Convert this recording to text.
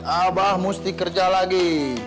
abah mesti kerja lagi